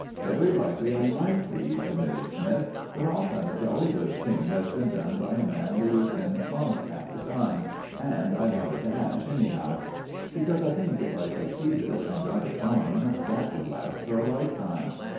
"Very likely I might be," admitted Smythe. "But often a jolly good thing has been done by a man who was in funk at the time; and I'd have a dash, anyhow; because, think if I succeeded, and got a charm that would last for a lifetime!"